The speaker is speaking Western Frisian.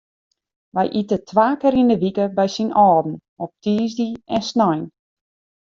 Wy ite twa kear yn de wike by syn âlden, op tiisdei en snein.